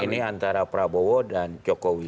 ini antara prabowo dan jokowi